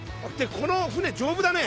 この舟丈夫だね！